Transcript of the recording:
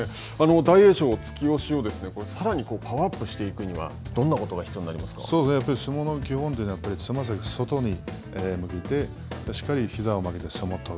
大栄翔、突き押しをさらにパワーアップしていくには、どんなことやっぱり相撲の基本というのは、つま先、外に向けて、しっかりひざを曲げて相撲を取る。